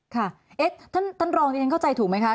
ค่ะท่านรองดิฉันเข้าใจถูกไหมคะ